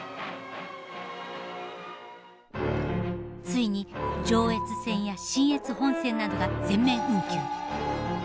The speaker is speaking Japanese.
ついに上越線や信越本線などが全面運休。